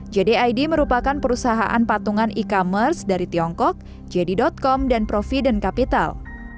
jdid merupakan perusahaan patungan e commerce dari tiongkok jd com dan providen capital